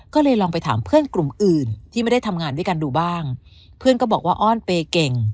ก็เลยลองไปถามเพื่อนกลุ่มอื่นที่ไม่ได้ทำงานด้วยกันดูบ้างเพื่อนก็บอกว่าอ้อนเปย์เก่ง